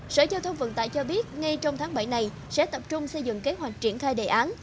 sở giao thông vận tải cho biết ngay trong tháng bảy này sẽ tập trung xây dựng kế hoạch triển khai đề án